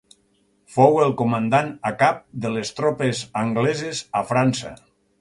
Fou el comandant a cap de les tropes angleses a França.